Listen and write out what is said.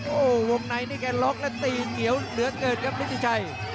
โอ้โหวงในนี่แกล็อกแล้วตีเหนียวเหลือเกินครับฤทธิชัย